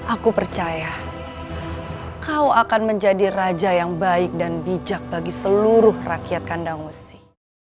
aku percaya kau akan menjadi raja yang baik dan bijak bagi seluruh rakyat kandang besi